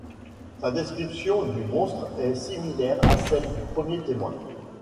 Sa description du monstre est similaire à celle du premier témoin.